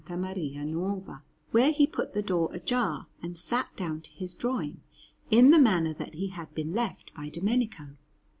Maria Nuova, where he put the door ajar and sat down to his drawing in the manner that he had been left by Domenico.